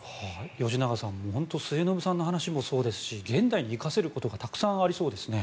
吉永さん、本当に末延さんの話もそうですし現代に生かせることがたくさんありそうですね。